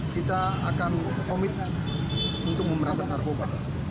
kita akan komit untuk memberantas narkoba